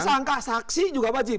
tersangka saksi juga wajib